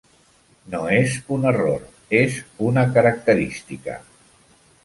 No és un error, és una característica!